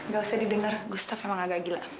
gak usah didengar gustaf emang agak gila